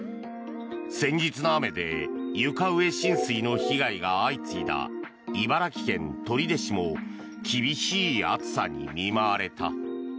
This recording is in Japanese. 先日の雨で床上浸水の被害が相次いだ茨城県取手市も厳しい暑さに見舞われた。